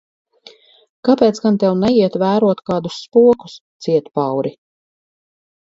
Kāpēc gan tev neiet vērot kādus spokus, cietpauri?